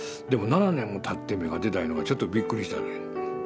でも７年もたって芽が出たいうのがちょっとびっくりしたね。